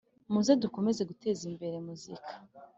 muze dukomeze guteza imbere muzika